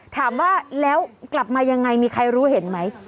ถามว่าแล้วกลับมายังไงมีใครรู้เห็นไหม